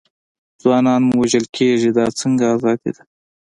ځوانان مو وژل کېږي، دا څنګه ازادي ده.